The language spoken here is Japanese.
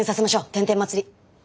天天祭り。